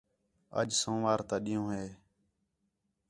اَڄ سوموار تا ݙِین٘ہوں ہے